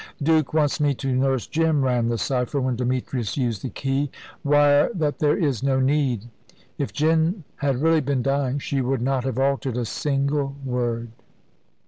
"Duke wants me to nurse Jim," ran the cypher, when Demetrius used the key. "Wire that there is no need." If Jim had really been dying, she would not have altered a single word.